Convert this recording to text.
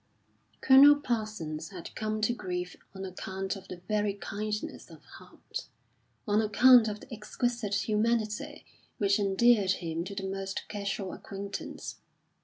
Colonel Parsons had come to grief on account of the very kindness of heart, on account of the exquisite humanity which endeared him to the most casual acquaintance.